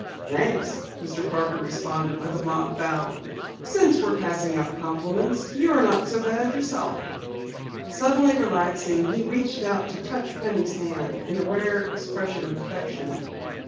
"Thanks," Mr. Parker responded with a mock bow. "Since we're passing out compliments, you're not so bad yourself." Suddenly relaxing, he reached out to touch Penny's hand in a rare expression of affection.